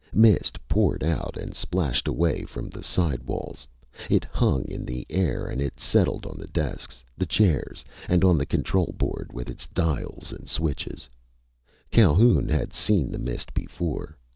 Mist poured out and splashed away from the side walls. It hung in the air and settled on the desks, the chairs, and on the control board with its dials and switches. Calhoun had seen the mist before.